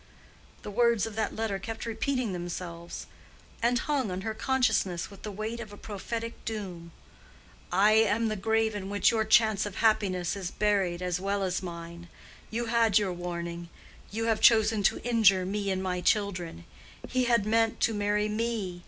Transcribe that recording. The words of that letter kept repeating themselves, and hung on her consciousness with the weight of a prophetic doom. "I am the grave in which your chance of happiness is buried as well as mine. You had your warning. You have chosen to injure me and my children. He had meant to marry me.